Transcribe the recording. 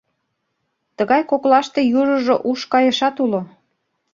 Тыгай коклаште южыжо уш кайышат уло.